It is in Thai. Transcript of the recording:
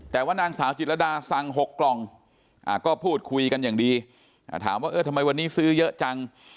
แต่ว่านางสาวจิตรดาสั่ง๖กล่องก็พูดคุยกันอย่างดีถามว่าเออทำไมวันนี้ซื้อเยอะจัง